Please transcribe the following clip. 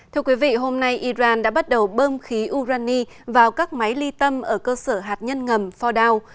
thưa quý vị hôm nay iran đã bắt đầu bơm khí urani vào các máy ly tâm ở cơ sở hạt nhân ngầm fordow